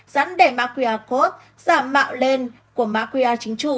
dán để macriacost giả mạo lên của macriachính chủ